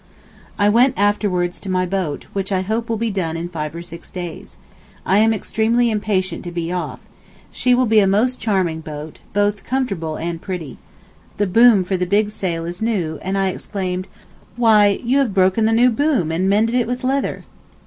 I went afterwards to my boat, which I hope will be done in five or six days. I am extremely impatient to be off. She will be a most charming boat—both comfortable and pretty. The boom for the big sail is new—and I exclaimed, 'why you have broken the new boom and mended it with leather!